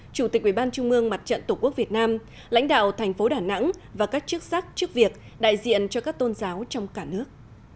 chủ tịch ubnd mặt trận tổ quốc việt nam lãnh đạo thành phố đà nẵng và các chức sắc trước việc đại diện cho các tôn giáo trong cả nước